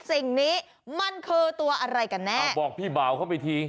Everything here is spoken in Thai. สิ่งนี้มันคือตัวอะไรกันแน่เอาบอกพี่บ่าวเข้าไปที